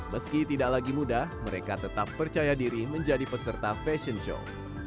meski tidak lagi mudah mereka tetap percaya diri menjadi peserta fashion show